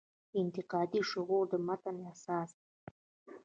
د انتقادي شعور و متن اساس دی.